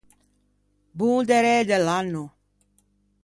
Bon derê de l’anno!